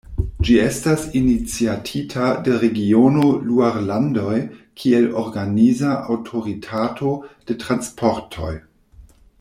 Ĝi estas iniciatita de regiono Luarlandoj kiel organiza aŭtoritato de transportoj.